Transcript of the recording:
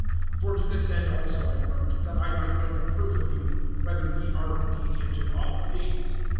(9)For to this end also I wrote, that I might know the proof of you, whether ye are obedient in all things.